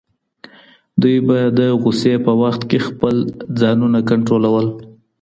دوی به د غوسې په وخت کي خپل ځانونه کنټرولول.